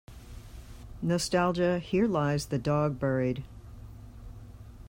Nostalgia Here lies the dog buried.